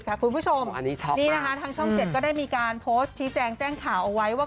คุณผู้ชมทางช่องเจ็ดก็ได้มีการโพสต์ชี้แจ้งแจ้งข่าวเอาไว้ว่า